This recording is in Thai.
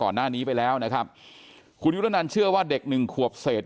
หน้าไปแล้วนะครับคุณยุรนันเชื่อว่าเด็กหนึ่งขวบเศษ